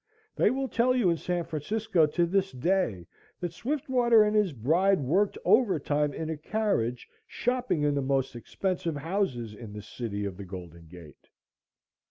They will tell you in San Francisco to this day that Swiftwater and his bride worked overtime in a carriage shopping in the most expensive houses in the city of the Golden Gate.